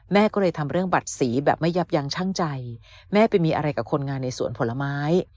แม่ก็เลยทำเรื่องบัตรสีแบบไม่ยับยังช่างใจแม่ไปมีอะไรกับคนงานในสวนผลไม้